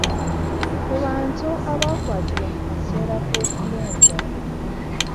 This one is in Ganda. Ku bantu abaakwatibwa mu kaseera k'okulonda